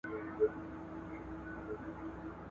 په یوه کلي کي له ښاره څخه لیري لیري.